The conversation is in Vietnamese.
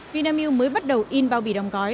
vinamilk mới bắt đầu in bao bì đong gói